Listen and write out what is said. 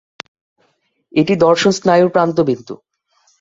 এটি দর্শন স্নায়ুর প্রান্তবিন্দু।